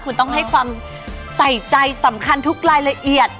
คุณต้องให้ความใส่ใจสำคัญทุกรายละเอียด